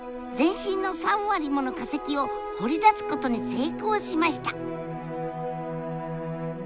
全身の３割もの化石を掘り出すことに成功しました！